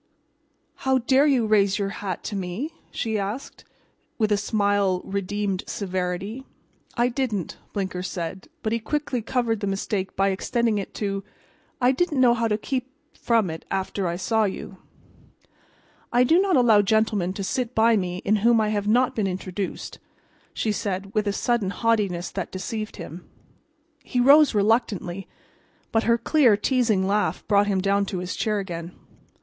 "How dare you raise your hat to me?" she asked, with a smile redeemed severity. "I didn't," Blinker said, but he quickly covered the mistake by extending it to "I didn't know how to keep from it after I saw you." "I do not allow gentlemen to sit by me to whom I have not been introduced," she said, with a sudden haughtiness that deceived him. He rose reluctantly, but her clear, teasing laugh brought him down to his chair again.